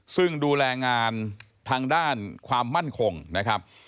ซึ่งดูแลงานทางด้านความมั่นคงนะครับ